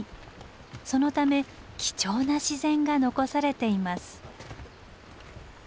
そのため貴重な自然が残されています。